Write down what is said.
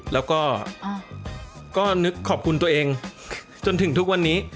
แล้วก็นึกขอบคุณตัวเองจนถึงทุกวันนี้